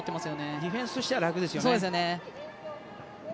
ディフェンスとしては楽ですよね。